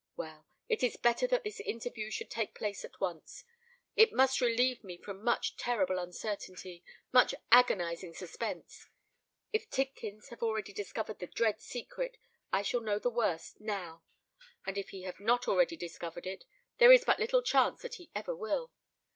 Well—it is better that this interview should take place at once. It must relieve me from much terrible uncertainty—much agonising suspense. If Tidkins have already discovered the dread secret, I shall know the worst now;—and if he have not already discovered it, there is but little chance that he ever will.